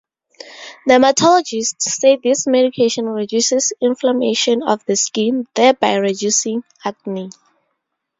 Dermatologists say this medication reduces inflammation of the skin, thereby reducing acne.